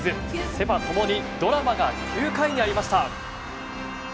セ・パともにドラマが９回にありました。